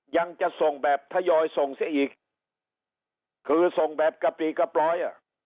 ยังจะส่งแบบถยอยส่งซะอีกคือส่งแบบกระปรีกระปร้อย